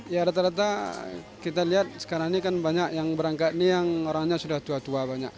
ya rata rata kita lihat sekarang ini kan banyak yang berangkat ini yang orangnya sudah tua tua banyak